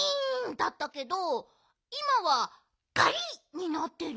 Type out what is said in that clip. だったけどいまは「ガリ！」になってる。